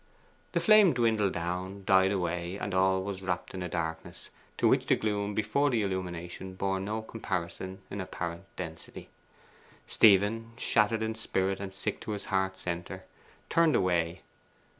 The flame dwindled down, died away, and all was wrapped in a darkness to which the gloom before the illumination bore no comparison in apparent density. Stephen, shattered in spirit and sick to his heart's centre, turned away.